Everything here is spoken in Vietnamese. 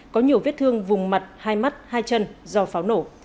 có nhiều vết thương vùng mặt hai mắt hai chân do pháo nổ